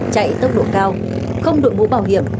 chạy tốc độ cao không đội bố bảo hiểm